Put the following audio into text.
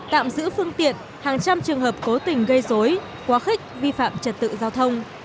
tạm giữ phương tiện hàng trăm trường hợp cố tình gây dối quá khích vi phạm trật tự giao thông